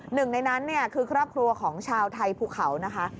หนึ่งในนั้นเนี่ยคือครอบครัวของชาวไทยภูเขานะคะ